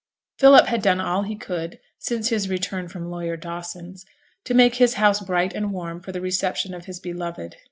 Philip had done all he could, since his return from lawyer Dawson's, to make his house bright and warm for the reception of his beloved.